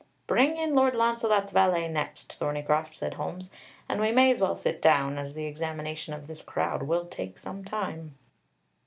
"Bring in Lord Launcelot's valet next, Thorneycroft," said Holmes. "And we may as well sit down, as the examination of this crowd will take some time."